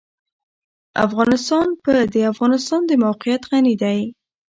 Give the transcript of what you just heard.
افغانستان په د افغانستان د موقعیت غني دی.